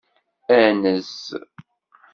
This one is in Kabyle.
Anez!